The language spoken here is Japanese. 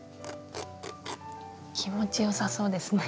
気持ちよさそうですね。